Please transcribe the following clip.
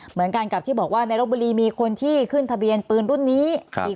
เหมือนกันกับที่บอกว่าในรบบุรีมีคนที่ขึ้นทะเบียนปืนรุ่นนี้อีก